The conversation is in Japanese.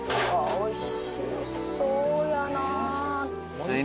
おいしそうあれ。